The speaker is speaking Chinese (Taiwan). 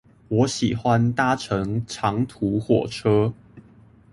我喜歡搭乘長途火車